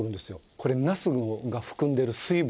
これなすが含んでる水分。